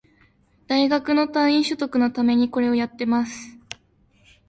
大学の単位取得のためにこれをやってます